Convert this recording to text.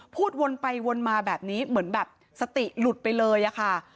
พูดวนไปวนมาแบบนี้เหมือนแบบสติหลุดไปเลยอะค่ะ